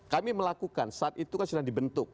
kami melakukan saat itu kan sudah dibentuk